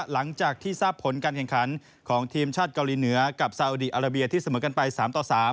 หลังจากที่ทราบผลการแข่งขันของทีมชาติเกาหลีเหนือกับซาอุดีอาราเบียที่เสมอกันไป๓ต่อ๓